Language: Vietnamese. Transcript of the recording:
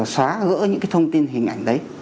xóa gỡ những thông tin hình ảnh đấy